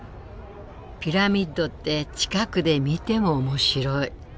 ピラミッドって近くで見ても面白い。